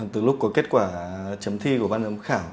từ lúc có kết quả chấm thi của ban giám khảo